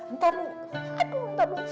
ntar aduh ntar